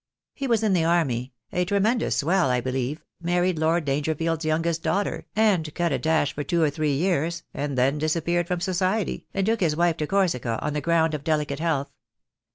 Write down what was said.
"He was in the army — a tremendous swell, I be lieve, married Lord Dangerfield's youngest daughter, and cut a dash for two or three years, and then disappeared from society, and took his wife to Corsica, on the ground of delicate health.